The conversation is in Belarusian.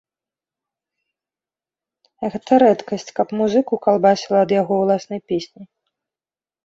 Гэта рэдкасць, каб музыкі калбасіла ад яго ўласнай песні.